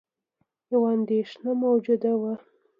یوه اندېښنه موجوده وه